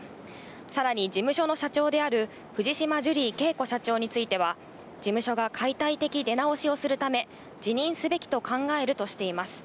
さらに、事務所の社長である藤島ジュリー景子社長については、事務所が解体的出直しをするため、辞任すべきと考えるとしています。